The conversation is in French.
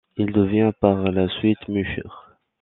Il devient par la suite musher.